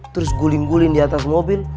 terus guling guling diatas mobil